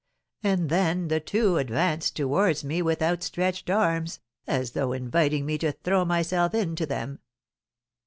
And then the two advanced towards me with outstretched arms, as though inviting me to throw myself into them."